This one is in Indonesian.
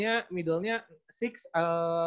ya kelas enam ke delapan